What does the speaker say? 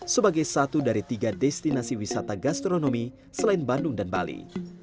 sebagai satu dari tiga destinasi wisata gastronomi selain bandung dan bali